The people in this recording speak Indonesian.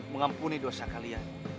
mengampuni dosa kalian